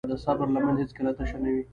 د صبر لمن هیڅکله تشه نه وي.